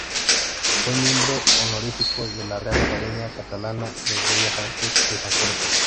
Fue miembro honorífico de la Real Academia Catalana de Bellas Artes de San Jorge.